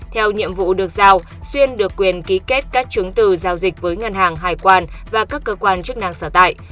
theo nhiệm vụ được giao xuyên được quyền ký kết các chứng từ giao dịch với ngân hàng hải quan và các cơ quan chức năng sở tại